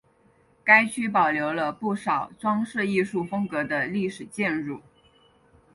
该区保留了不少装饰艺术风格的历史建筑。